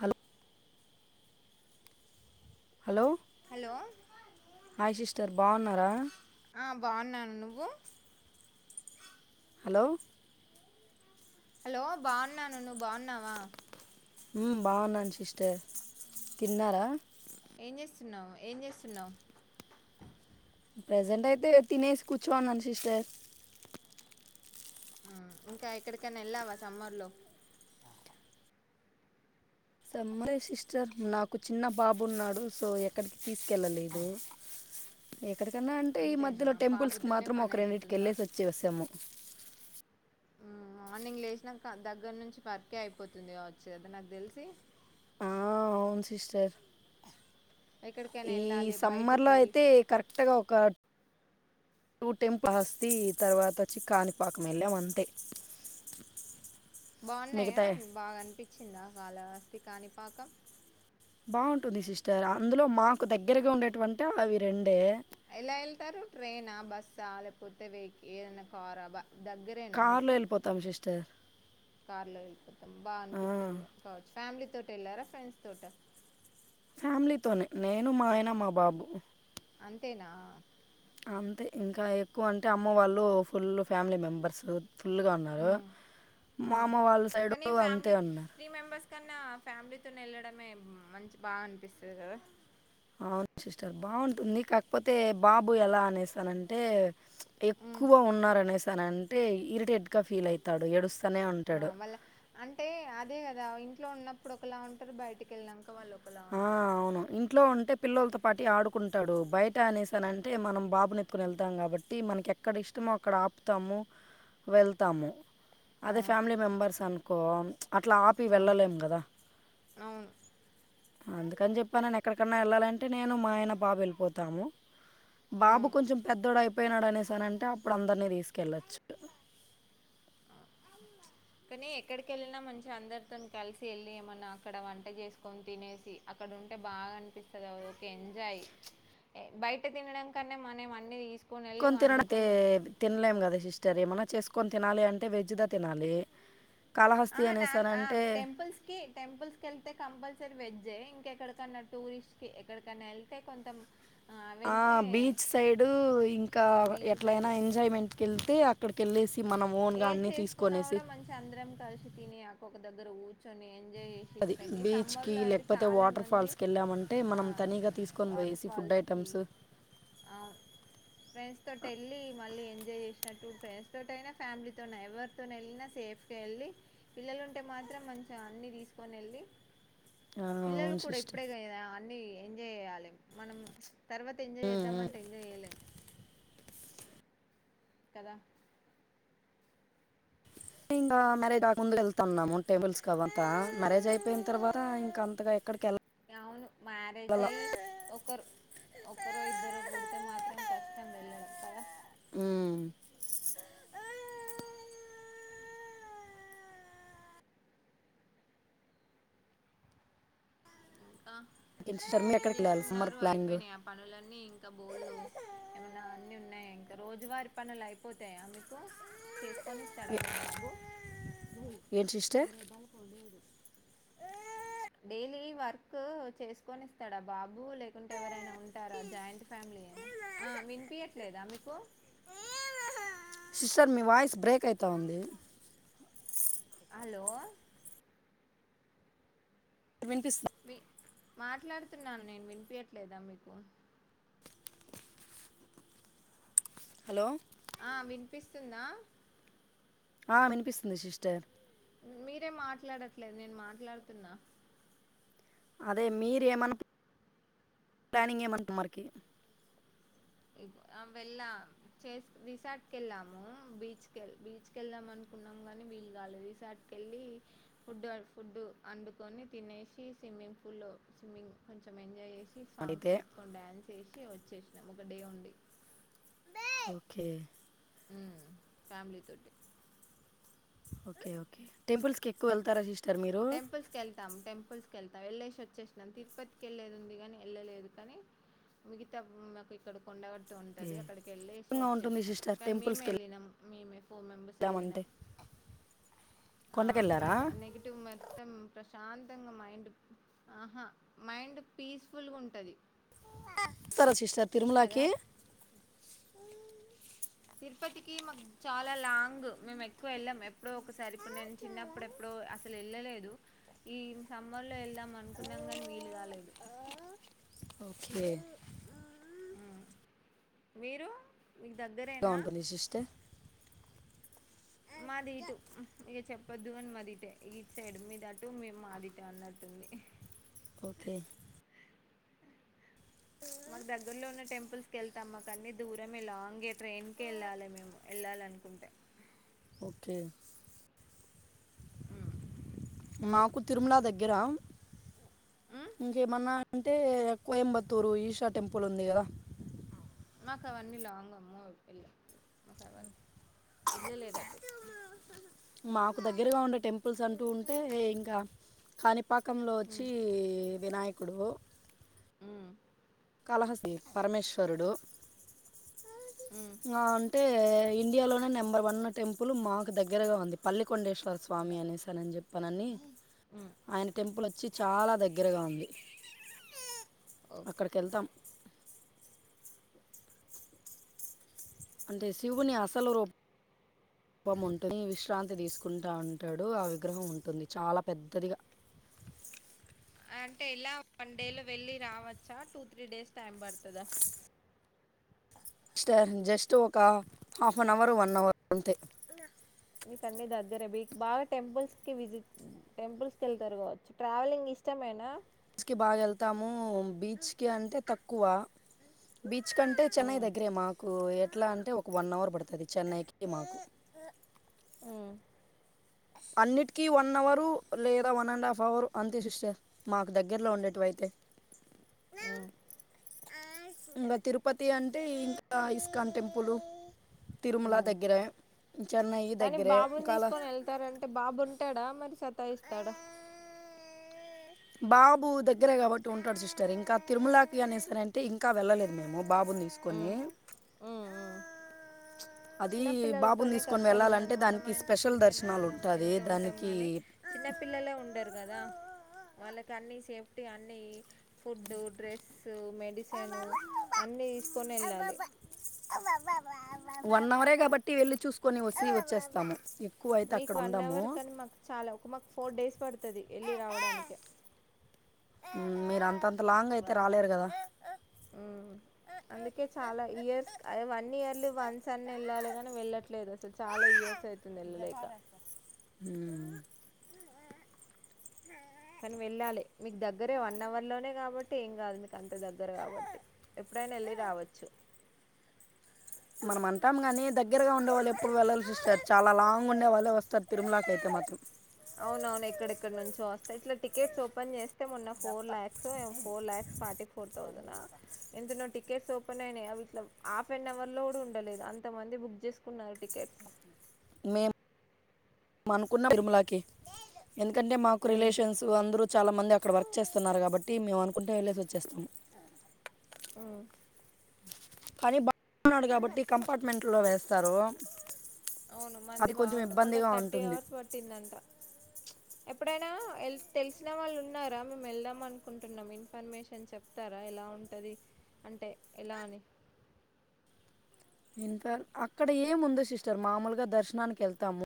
Hello hello hello hi sister బాగున్నారా ఆ బాగున్నాన్ నువ్వు హలో హలో బాగున్నాను నువ్ బాగున్నావా ఊమ్ బాగున్నాన్హ సిస్టర్ తిన్నారా ఏం జేస్తున్నావ్ ఏం జేస్తున్నావ్ ప్రెసెంట్ అయితే తినేసి కూచో ఉన్నాన్ సిస్టర్ ఊ ఇంకా ఎక్కడికైనా ఎళ్ళావా సమ్మర్ లో సమ్మర సిస్టర్ నాకు చిన్న బాబు ఉన్నాడు సో ఎక్కడికి తీసుకెళ్ళలేదు ఎక్కడికన్నా అంటే ఈ అంతేనా మధ్యలో టెంపుల్స్ పాపతోనే మాత్రం పని ఒక రెండిటికి అయిపోతుందా ఎళ్ళేసి వచ్చేసాము ఊ మార్నింగ్ లేచినాక దగ్గర నుంచి పర్కే అయిపోతుంది గావచ్చు గదా నాకు తెలిసి ఆ అవున్ సిస్టర్ ఎక్కడికైనా ఈ వెళ్ళాలి సమ్మర్ లో బయటికి అయితే కరెక్ట్ గ ఒక కాలహస్తి తర్వాత ఒచ్చి కానిపాకం ఎల్లాం అంతే బాగున్నాయా మిగతా బాగా అనిపించ్చిందా కాళహస్తి కాని పాకం బాగుంటుంది సిస్టర్ అందులో మాకు దగ్గరగా ఉండేటివంటే అవి రెండే ఎలా ఎళ్తారు ట్రైనా బస్సా లేపోతే వె ఏదన్న కారా బ కార్లో ఎళ్ళిపోతాం సిస్టర్ కార్ లో ఎళ్ళిపోతం బా ఆ! అనిపిస్తది కావచ్చు ఫ్యామిలీ తో టెల్లారా ఫ్రెండ్స్ తోటా ఫ్యామిలీ తోనే నేను మా ఆయన మా బాబు అంతేనా అంతే ఇంక ఎక్కువ అంటే అమ్మ వాళ్ళు ఫుల్ల్ ఫ్యామిలీ మెంబర్స్ ఫుల్లుగా ఉన్నారు ఉమ్ మా ఉమ్ అమ్మ వాళ్ళ సైడ్ కానీ అంతే ఫ్యామిలీ ఉన్నారు త్రీ మెంబర్స్ కన్నా ఫ్యామిలీతోని ఎళ్లడమే మంచి బాగా అనిపిస్తది గదా అవున్ సిస్టర్ బాగుంటుంది కాకపోతే బాబు ఎలా అనేసానంటే ఉమ్ ఎక్కువ ఉన్నారనేసనంటే ఇరిటేట్ గా ఫీల్ అయితాడు ఎడుస్ ఆ మళ్ళ అంటే అదే గదా ఇంట్లో ఉన్నప్పుడు ఒకలా ఉంటరు బయటికి ఎళ్నంక వాళ్ళు ఒకలా ఆ ఉంటారు అవును ఇంట్లో ఉంటే పిల్లోల్తో పాటి ఆడుకుంటాడు బయ్ ట అనేసానంటే మనం బాబునె కుని ఎళ్తాం కాబట్టి మనకి ఎక్కడ ఇష్టమో అక్కడ ఆపుతాము వెళ్తాము అదే అవును ఫామిలీ మెంబర్స్ అనుకో అట్లా ఆపి వెళ్ళలేం గదా అవును అందుకని జెప్పనను ఎక్కడికన్నా ఎళ్ళాలంటే నేను మా ఆయన బాబు ఎళ్ళిపోతాము బాబు అవును కొంచెం పెద్దోడై పోయినాడు అనేసి అనంటే అప్పుడు అందరినీ దీసుకెళ్ళొచ్చు అ కానీ ఎక్కడికి ఎళ్ళినా మంచి అందరితోన్ కలిసి ఎళ్ళి ఏమన్నా అక్కడ వంట చేసుకొని తినేసి అక్కడ. డుంటే బాగా అనిపిస్తది అదొక ఎంజాయ్ ఎ బయట తినడం కన్నా మనం అన్ని దీస్ కొన్ తినడం తే తినలేం కదా సిస్టర్ ఏమన్నా చేసుకొని తినాలి అంటే వెజ్ద తినాలి ఆ కాళహస్తి నాన్ ఆ అనేసనంటే టెంపుల్స్కి టెంపుల్స్ కెల్తే కంపల్సరి వెజ్జే ఎక్కడకన్నా టూరిస్ట్కి ఎక్కడికన్నా ఎళ్తే కొంతం ఆ బీచ్ సైడ్ ఇంకా బీచ్ ఎట్లయినా సైడ్ ఎంజాయ్మెంట్కి ఎళ్తే అక్కడి ఏది చేసుకున్నా కూడా మంచి అందరం కలిసి తిని ఒక దగ్గర కూర్చొని ఎంజాయ్ చేసి అది స్పెండ్ ఈ బీచ్కి సమ్మర్లో అయితే లేకపోతే చాలా వాటర్ మంది ఫాల్స్కి వెళ్ళామంటే ఆ మనం తనిగ తీసుకొని వాటర్ పోయేసి ఫుడ్ ఫాల్స్కి ఐటెమ్స్ అవును ఫ్రెండ్స్ తోటి ఎళ్ళి మళ్ళీ ఎంజాయ్ చేసినట్టు ఫ్రెండ్స్ తోటయినా ఫ్యామిలీతోన ఎవరితో నేళ్ళినా సేఫ్ గా ఎళ్ళి పిల్లలు ఉంటే మాత్రం మంచిగ అన్ని తీసుకొని ఎళ్ళి ఆ! పిల్లలు అవును కూడా సిస్టర్. ఇప్పుడేగాద అన్నీ ఎంజాయ్ చేయాలి మనం తర్వాత ఎంజాయ్ హ్మ్. హ్మ్. చేద్దామంటే ఎంజాయ్ చేయలేం కదా ఇంగ మ్యారేజ్ కాక ముందు ఎళ్తున్నాము టేంపుల్స్ అవంత మ్యారేజ్ అయిపోయిన తర్వాత ఇంగ అంతగా ఎక్కడికెళ్ళం అవును మ్యారేజ్ అయి ఒకరు ఒకరో ఇద్దరో పూడ్ తే మాత్రం కష్టం వెళ్ళడం కదా హ్మ్ ఇంగ ఇంకేంటి సిస్టర్ ఏం మీరెక్కడికెళ్ళాలి సమ్మర్ చేస్తున్నారు ప్లానింగు? అయిపోయినీయ పనులన్నీ ఇంకా బోల్లు ఏమన్నా ఉన్నాయా ఇంకా రోజువారి పనులు అయిపోతాయా మీకు చేస్ కొనిస్తాడా మీ బాబు చే డైలీ వర్క్ చేసుకొనిస్తాడ బాబు లేకుంటే ఎవరైనా ఉంటారా జాయింట్ ఫ్యామిలీయేన ఆ వినిపియట్లేదా మీకు సిస్టర్ మీ వాయిస్ బ్రేక్ అయిత ఉంది హలో వినిపిస్తు మీ మాట్లాడుతున్నాను నేను వినిపియట్లేదా మీకు హలో ఆ వినిపిస్తుందా ఆ వినిపిస్తుంది సిస్టర్ మీరే మాట్లాడట్లేదు నేను మాట్లాడుతున్నా అదే మీరేమన్న ప్లానింగ్ ఏమన్న మరికి వెళ్ళా చేస్ రిసార్ట్ కెళ్ళాము బీచ్ కెళ్ బీచ్ కెళ్ళామను కున్నాం గాని వీలు గాలేదు రిసార్ట్కెళ్ళి ఫుడ్ ఫుడ్ అండుకొని తినేసి స్విమ్మింగ్ పూల్లో స్విమ్మింగ్ కొంచం ఎంజాయ్ చేసి సాంగ్స్ అయితే పెట్టుకొని డాన్స్ ఏసి వచ్చేసినాం ఒక డే ఉండి ఓకే ఉమ్ ఫ్యామిలీ తోటి ఓకే ఓకే టెంపుల్స్కి ఎక్కువ వెళ్తారా సి టెంపుల్స్ కెళ్తాం టెంపుల్స్ కెళ్తాం ఎళ్ళేసి వచ్చేసినం తిరుపతికి ఎళ్లేది ఉంది కాని ఎళ్ళలేదు కానీ మిగతా మాకు ఇక్కడ కొండ ఏ ఉంటది అక్కడికి ఎళ్ళేసి విధంగా ఉంటుంది వచ్చేసినం సిస్టర్ కానీ మేమే టెంపుల్స్కి ఎళ్ళినాం ఫోర్ మెంబేర్స్ ఎళ్ళినం వెళ్ళామంటే ఆ కొండకి వెళ్ళారా ప్రస నెగిటివ్ మొత్తం ప్రశాంతంగా మైండ్ ఆహా మైండ్ పీస్ఫుల్గా ఉంటది స్తారా సిస్టర్ కదా తిరుమలకి తిరుపతికి మాకు చాలా లాంగ్ మేము ఎక్కువ వెళ్ళాం ఎప్పుడో ఒకసారి ఇప్పుడు నేను చిన్నప్పుడు ఎప్పుడో అసలు వెళ్ళలేదు ఈ సమ్మర్ లో వెళ్దాం అనుకున్నాం గాని వీలు కాలేదు ఓకే మీరు మీకు ఇలా దగ్గరేనా ఉంటు నిసి ఇస్తే [unintelligible] మాది ఇటు ఇగ చెప్పొద్దు గాని మాదిటే ఈటు సైడ్ మీది అటు మే మాదిటే అన్నట్టు ఓకే మాకు దగ్గర్లో ఉన్న టెంపుల్స్ కి వెళ్తాం మాకు అన్నీ దూరమే లాంగ్ ఎ ట్రైన్కి వెళ్ళాలి మేము వెళ్ళాలనుకుంటే ఓకే మాకు తిరుమల దగ్గర ఇంకేమన్నా అంటే కోయంబత్తూరు ఈషా టెంపుల్ ఉంది కదా మాకావన్నీ లాంగమ్మో మాకు ఆ వెళ్ళా లేదు అటు మాకు దగ్గరగా ఉండే టెంపుల్స్ అంటూ ఉంటే ఇంకా కానీ పాకంలో వచ్చి వినాయకుడు ఉం కాళ హస్తి పరమేశ్వరుడు ఇంకా అంటే ఇండియాలోనే నెంబర్ వన్ టెంపుల్ మాకు దగ్గరగా ఉంది పల్లికొండేశ్వర స్వామి అనేసాను నేని చెప్పానని ఆయన టెంపుల్ వచ్చి చాలా దగ్గరగా ఉంది ఓకే దం అంటే శివుని అసలు రూపం కోపం ఉంటుని విశ్రాంతి తీసుకుంటాంటాడు ఆ విగ్రహం ఉంటుంది చాలా పెద్దదిగా అంటే ఎలా వన్ డేలో వెళ్లి రావచ్చా టూ త్రీ డేస్ టైం పడుతదా స్టర్ జస్ట్ ఒక half an hour one hour అంతే మీకు అన్ని దగ్గరే బి బాగా టెంపుల్స్ కి విజిట్ టెంపుల్స్ కి వెళ్తారు కావచ్చు ట్రావెలింగ్ ఇ ఇష్టమేనా స్కి బాగా వెళ్తాము బీచ్ కి అంటే తక్కువ బీచ్ కంటే చెన్నయి ఉమ్, దగ్గరే మాకు ఎట్లా అంటే ఒక వన్ అవర్ పడుతది చెన్నైకి మాకు ఉం అన్నిటికీ వన్ అవరు లేదా వన్ అండ్ హాఫ్ అవరు అంతే సిస్టర్ మాకు దగ్గరలో ఉండేటివి అయితే స అ ఇంగ తిరుపతి అంటే ఇంకా ఇస్కాన్ టెంపుల్ తిరుమల ఉమ్. దగ్గరే చెన్నై కానీ దగ్గరే బాబుని కాళ తీసుకొని వెళ్తారంటే బాబు ఉంటాడా మరి సతాయిస్తాడ బాబు దగ్గరే కాబట్టి ఉంటాడు సిస్టర్ ఇంకా తిరుమలాకి అనేసి అని అంటే ఇంకా వెళ్ళలేదు మేము బాబుని తీసుకొని ఉమ్, ఉమ్, ఉమ్. అది బాబుని చిన్నపిల్లలతోనే తీసుకొని కష్టం వెళ్ళాలంటే ఉన్నది మనం దానికి అంటే స్పెషల్ ఎక్కడికైనా దర్శనాలు ఉంటాది దానికి చిన్న పిల్లలే ఉండరు కదా వాళ్ళకి అన్ని సేఫ్టీ అన్ని ఫుడ్ డ్రెస్ మెడిసిన్ అన్ని అన్ని తీసుకొని వెళ్ళాలి వన్ అవరే కాబట్టి వెళ్లి చూసుకొని వచ్చి వచ్చేస్తాము ఎక్కువ అయితే మీకు అక్కడ వన్ ఉండము అవర్ కానీ మాకు చాలా ఒక మాకు ఫోర్ డేస్ పడుతది ఎళ్ళి రావడానికె మీరు అంతంత లాంగ్ అయితే రాలేరు కదా ఉమ్. అందుకే చాలా ఇయర్స్ అదే వన్ ఇయర్లీ వన్స్ అన్ని వెళ్ళాలి కని వెళ్ళట్లేదు అసలు చాలా ఇయర్స్ ఐతుంది వెళ్ళలేక మ్, కానీ వెళ్ళాలి మీకు దగ్గరే వన్ అవర్ లోనే కాబట్టి ఏం కాదు మీకు అంత దగ్గర కాబట్టి ఎప్పుడైనా ఎళ్ళి రావచ్చు మనం అంటాం కానీ దగ్గరగా ఉండేవాళ్ళు ఎప్పుడు వెళ్ళల సిస్టర్ చాలా లాంగ్ ఉండేవాళ్ళే వస్తారు తిరుమలాకి అయితే మాత్రం అవునవును ఎక్కడెక్కడ నుంచి వస్తా ఇట్లా టికెట్స్ ఓపెన్ చేస్తా అంటే మొన్న ఫోర్ లక్స్ ఓ ఏమో ఫోర్ లాక్స్ ఫార్టీ ఫోర్ థౌసనా ఎంతనో టిక్ టికెట్స్ ఓపెన్ అయినాయా అవి ఇట్లా హాఫ్ అన్ అవర్ లో కూడా ఉండలేదు అంతమంది బుక్ చేసుకున్నారు టికెట్స్ మేమ్ మనుకున్న తరుమలాకి ఎందుకంటే మాకు రిలేషన్స్ అందరు చాలా మంది అక్కడ వర్క్ చేస్తున్నారు కాబట్టి మేము అనుకుంటే వెళ్ళేసి వచ్చేస్తాము ఉ కానీ బ ఉన్నాడు కాబట్టి కంపార్ట్మెంట్లో వేస్తారు అవును మంది అది కొంచెం బాగుంటా మొన్న ఇబ్బందిగా థర్టీ ఉంటుంది అవర్స్ పట్టిందంట ఎప్పుడైనా ఎల్ తెలిసిన వాళ్ళు ఉన్నారా మేము వెళ్దాం అనుకుంటున్నాం ఇన్ఫర్మేషన్ చెప్తా తారా ఎలా ఉంటది అంటే ఎలా అని ఇంకా అక్కడ ఏముంద సిస్టర్ మామూలుగా దర్శనానికి వెళ్తాము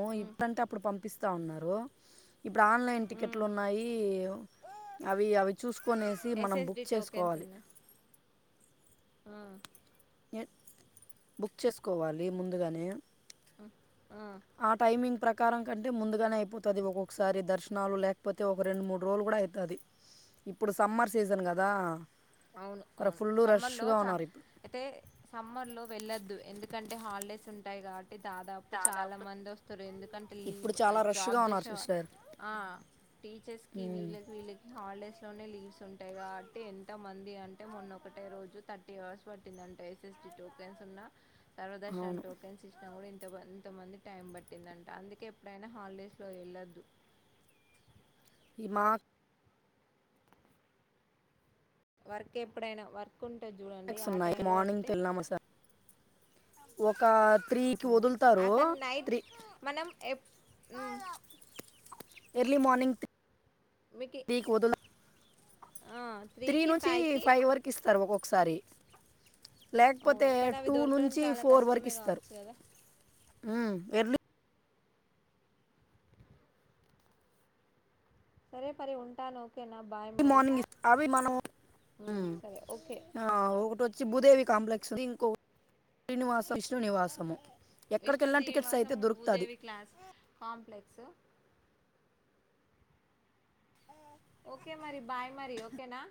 ఓ ఇప్పంతే అప్పుడు పంపిస్ స్త ఉన్నారు ఇప్పుడు ఆన్లైన్ టికెట్లు ఉన్నాయి అవి అవి చూస్ కునేసి మనం ఎస్ఎస్డి బుక్ టోకెన్స్ చేసుకోవాలి ఉన్నాయి ఆ బుక్ చేసుకోవాలి ముందుగానే ఆ ఆ టైమింగ్ ప్రక్ కారం కంటే ముందుగానే అయిపోతాది ఒక్కొక్కసారి దర్శనాలు లేకపోతే ఒక రెండు మూడు రోజులు కూడా ఐతాది ఇప్పుడు సమ్మర్ సీజన్ కదా అవును మరి అవును ఫుల్ సమ్మర్ లో రష్గా చ ఉన్నారు ఇప్పుడు అయితే సమ్మర్ లో వెళ్ళొద్దు ఎందుకంటే హాలిడేస్ టాయి కాబట్టి దాదాపు చాలా మంది వస్తరు ఎందుకంటే ఇప్పుడు లీవ్ చాలా రష్గా జాబ్ ఉన్నారు చేసేవారు సిస్టర్ ఆ టీచర్స్ కి మ్మ్. వీళ్ళకి వీళ్ళకి హాలిడేస్ లోనే లీవ్స్ ఉంటాయి కాబట్టి ఎన్ తమంది అంటే మొన్నొ ఒకటే రోజు థర్టీ అవర్స్ పట్టింద అంటే స్డ్ ఎస్ ఎస్ డి టోకెన్స్ ఉన్న సర్వదర్శన్ అవును టోకెన్స్ ఇస్ కూడా ఇంత ఇంతమంది టైం పట్టిందంట అందుకే ఎప్పుడైనా హాలిడేస్లో వెళ్ళొద్దు ఇమాక్ వర్క్ ఎప్పుడైనా వర్క్ ఉంటే చూడండి క్లాక్స్ ఆ టైంలో వెళ్తే ఒకాత్ త్రీకి ఆ వదులుతారు కానీ నైట్ త్రీ మనం ఎప్ మ్ ఎర్లీ మార్నింగ్ త్రి మీకి త్రి కి వదులు ఆ త్రీ త్రీకి నుంచి ఫైవ్కి ఫైవ్ వరకు ఇస్తారు ఒక్కొక్కసారి లేకపోతే అవును కానీ అవి టూ దొరకడం నుంచి చాలా ఫోర్ వరకు కష్టమే ఇస్తారు కావచ్చు కదా ఉ ఎర్లీ సరే పరి ఉంటాను ఓకేనా బాయ్ లీ మరి మార్నింగ్ అవి మనం మ్ సరే ఓకే ఒకటి వచ్చి చి భూదేవి కాంప్లెక్స్ది ఇంకో శ్రీనివాస విష్ణు నివాసము ఎక్కడికి విష్ణు వెళ్ళినా టికెట్స్ అయితే దివాసము దొరుకుతుంది భూదేవి క్లాస్ కాంప్లెక్స్ ఓకే మరి బాయ్ మరి ఓకేనా